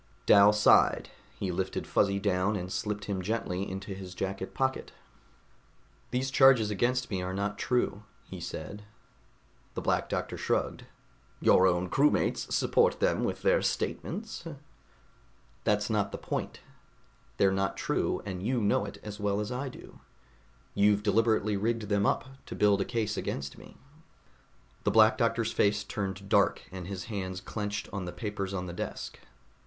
Dal sighed. He lifted Fuzzy down and slipped him gently into his jacket pocket. "These charges against me are not true," he said. The Black Doctor shrugged. "Your own crewmates support them with their statements." "That's not the point. They're not true, and you know it as well as I do. You've deliberately rigged them up to build a case against me." The Black Doctor's face turned dark and his hands clenched on the papers on the desk.